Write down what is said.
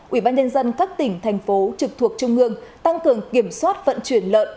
ủy ban nhân dân các tỉnh thành phố trực thuộc trung ương tăng cường kiểm soát vận chuyển lợn